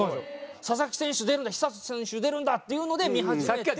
佐々木選手出るんだ寿人選手出るんだっていうので見始めて。